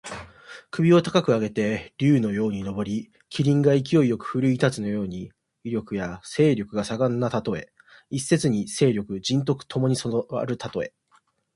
首を高く上げて竜のように上り、麒麟が勢いよく振るい立つように、威力や勢力が盛んなたとえ。一説に勢力・仁徳ともに備わるたとえ。